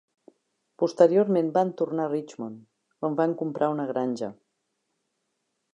Posteriorment van tornar a Richmond, on van comprar una granja.